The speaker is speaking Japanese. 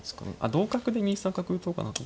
同角で２三角打とうかなと。